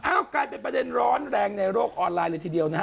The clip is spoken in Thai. กลายเป็นประเด็นร้อนแรงในโลกออนไลน์เลยทีเดียวนะฮะ